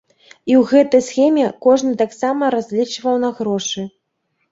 І ў гэтай схеме кожны таксама разлічваў на грошы.